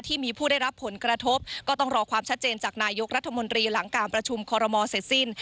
ผู้ได้รับผลกระทบก็ต้องรอความชัดเจนจากนายกรัฐมนตรีหลังการประชุมคอรมอเสร็จสิ้น